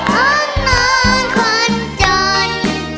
ห้องนอนคนจน